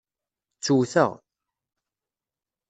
Ttewteɣ.